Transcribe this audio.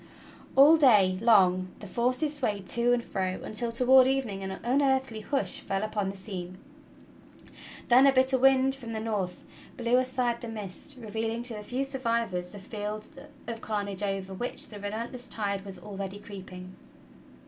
All day long the forces swayed to and fro, until toward evening an unearthly hush fell upon the scene. Then^a bitter wind from the north blew aside the mist, revealing to the few survivors the field of carnage over which the relentless tide was already creeping.